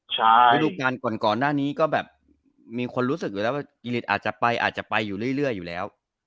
ฤดูการก่อนหน้านี้ก็แบบมีคนรู้สึกอยู่แล้วว่ากิริตอาจจะไปอาจจะไปอยู่เรื่อยอยู่แล้ว